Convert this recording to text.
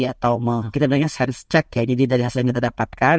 atau kita bilangnya sense check ya jadi dari hasil yang kita dapatkan